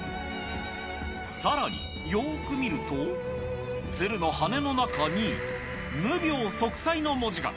さらに、よーく見ると、鶴の羽根の中に、無病息災の文字が。